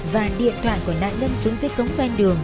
và điện thoại của nạn nhân xuống dưới cống ven đường